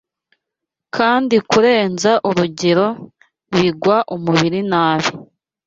kandi kurenza urugero bigwa umubiri nabi.